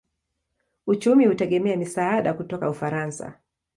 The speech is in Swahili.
Uchumi hutegemea misaada kutoka Ufaransa.